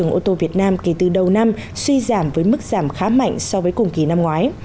các nhà sản xuất ô tô của việt nam kể từ đầu năm suy giảm với mức giảm khá mạnh so với cùng kỳ năm ngoái